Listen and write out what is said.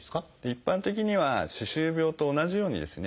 一般的には歯周病と同じようにですね